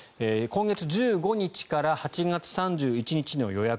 今月１５日から８月３１日の予約